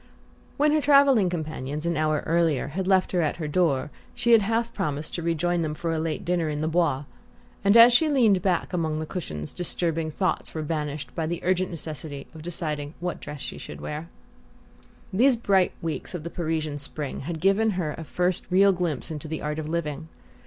When her travelling companions, an hour earlier, had left her at her door, she had half promised to rejoin them for a late dinner in the Bois; and as she leaned back among the cushions disturbing thoughts were banished by the urgent necessity of deciding what dress she should wear. These bright weeks of the Parisian spring had given her a first real glimpse into the art of living.